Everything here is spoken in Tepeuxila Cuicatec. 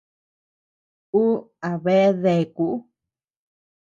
Uu a bea deaku.